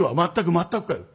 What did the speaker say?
「全くかよ」。